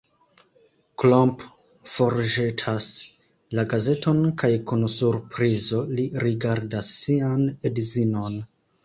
Klomp forĵetas la gazeton kaj kun surprizo li rigardas sian edzinon.